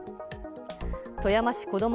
富山市こども